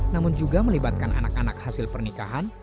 namun juga melibatkan anak anak hasil pernikahan